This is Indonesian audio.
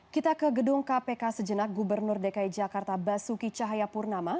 kita ke gedung kpk sejenak gubernur dki jakarta basuki cahayapurnama